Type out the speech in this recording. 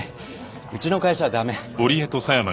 うちの会社は駄目。